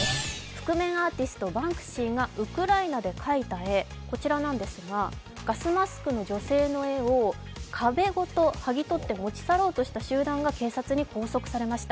覆面アーティスト・バンクシーがウクライナで描いた絵、ガスマスクの女性の絵を壁ごとはぎ取って持ち去ろうとした集団が警察に拘束されました。